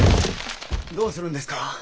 どうするんですか？